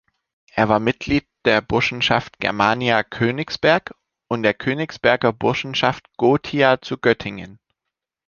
Er war Mitglied der Burschenschaft Germania Königsberg und der Königsberger Burschenschaft Gothia zu Göttingen.